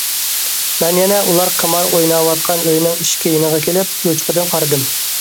مەن يەنە ئۇلار قىمار ئويناۋاتقان ئۆينىڭ ئىشىكى يېنىغا كېلىپ يوچۇقىدىن قارىدىم.